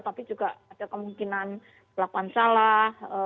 tapi juga ada kemungkinan pelakuan salah